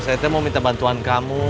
saya mau minta bantuan kamu